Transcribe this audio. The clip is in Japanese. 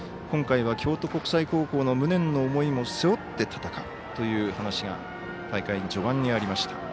今回は京都国際高校の無念の思いも背負って戦うという話が大会序盤にありました。